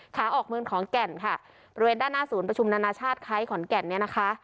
ขาออกเมืองขอนแก่นค่ะบริเวณด้านหน้าศูนย์ประชุมนานาชาติคล้ายขอนแก่นเนี่ยนะคะ